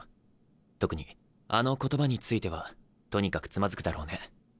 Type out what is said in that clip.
特にあの言葉についてはとにかくつまずくだろうね。